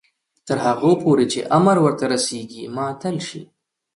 تر هغو پورې چې امر ورته رسیږي معطل شي.